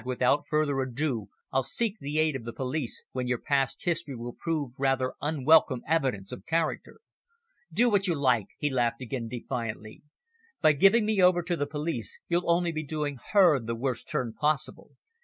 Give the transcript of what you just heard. without further ado, I'll seek the aid of the police, when your past history will prove rather unwelcome evidence of character." "Do what you like," he laughed again defiantly. "By giving me over to the police you'll only be doing her the worst turn possible.